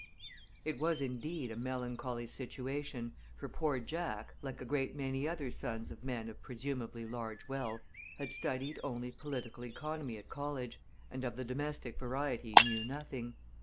It was, indeed, a melancholy situation, for poor Jack, like a great many other sons of men of presumably large wealth, had studied only political economy at college, and of the domestic variety knew nothing.